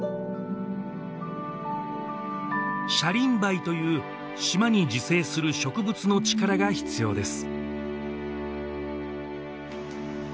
シャリンバイという島に自生する植物の力が必要です